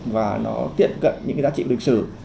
và nó tiện cận những giá trị lịch sử